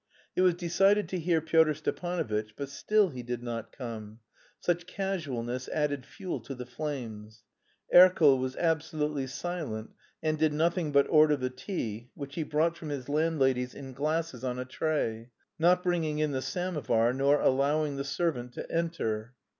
It was decided to hear Pyotr Stepanovitch, but still he did not come; such casualness added fuel to the flames. Erkel was absolutely silent and did nothing but order the tea, which he brought from his landladies in glasses on a tray, not bringing in the samovar nor allowing the servant to enter.